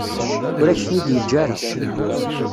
Ur ak-ten-id-yeǧǧa ara.